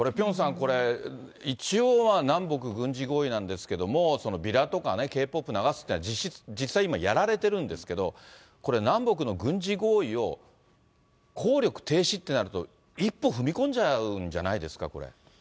これ、一応は南北軍事合意なんですけども、ビラとかね、Ｋ−ＰＯＰ流すっていうのは、実際、今、やられてるんですけれども、これ、南北の軍事合意を、効力停止ってなると、一歩踏み込んじゃうんじゃないですか、これ。